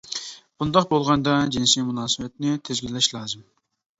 بۇنداق بولغاندا جىنسىي مۇناسىۋەتنى تىزگىنلەش لازىم.